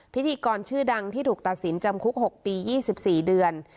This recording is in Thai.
พิธีกรชื่อดังที่ถูกตัดสินจำคุก๖ปี๒๔เดือน